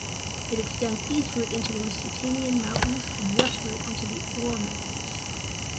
It extends eastward into the Lusatian Mountains and westward into the Ore Mountains.